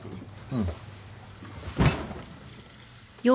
うん。